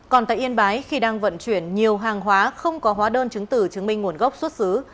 còn tại yên bái khi đang vận chuyển nhiều hàng hóa không có hóa đơn chứng tử chứng minh nguồn gốc xuất xứ